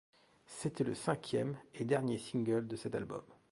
C'était le cinquième et dernier single de cet album.